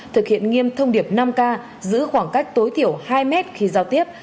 thực hiện nghiêm thông điệp năm k giữ khoảng cách tối thiểu hai mét khi giao tiếp